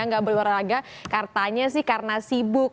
nggak beli olahraga kartanya sih karena sibuk